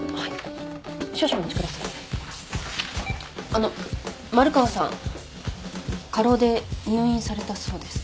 ☎あの丸川さん過労で入院されたそうです。